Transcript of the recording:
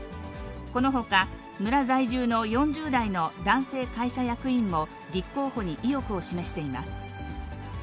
このほか、村在住の４０代の男性会社役員も立候補に意欲を示しています。